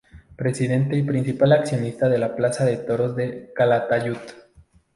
Presidente y principal accionista de la Plaza de Toros de Calatayud.